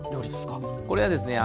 これはですね